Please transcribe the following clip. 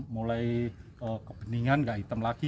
mulai kebeningan gak hitam lagi